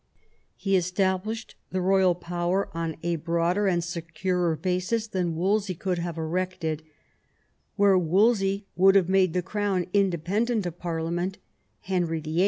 He established the royal power on a broader K 130 THOMAS WOLSEY hap. and securer basis than Wolsey could have erected. Where Wolsey would have made the Crown independent>4;f of Parliament, Henry VIII.